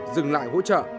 dừng lại hỗ trợ